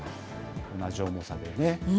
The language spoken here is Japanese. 同じ重さでね。